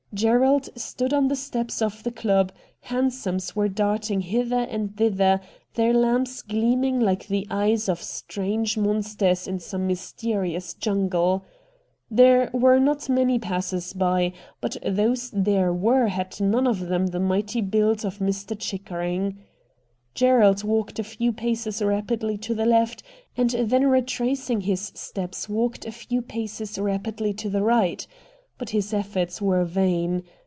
Gerald stood on the steps of the club. Hansoms were darting hither and thither, their lamps gleaming like the eyes of strange monsters in some mysterious jungle. There were not many passers by, but those there were had none of them the mighty build of Mr. Chickering. Gerald walked a few paces rapidly to the left, and then retracing his So RED DIAMONDS steps walked a few paces rapidly to the right. But his efforts were vain.